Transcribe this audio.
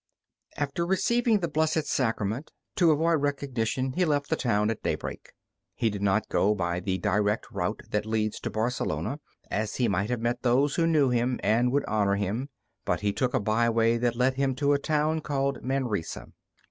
After receiving the Blessed Sacrament, to avoid recognition he left the town at daybreak. He did not go by the direct route that leads to Barcelona, as he might have met those who knew him and would honor him, but he took a byway that led him to a town called Manresa.